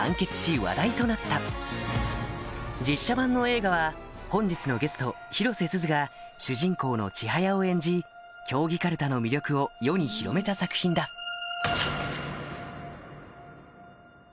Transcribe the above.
話題となった実写版の映画は本日のゲスト広瀬すずが主人公の千早を演じ競技かるたの魅力を世に広めた作品だへぇ！